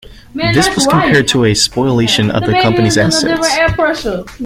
This was compared to a spoliation of the company's assets.